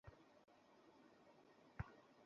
সমস্যাটা হলো আপনাদের ভয়।